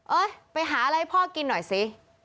ไปหาอะไรให้พ่อกินหน่อยสิ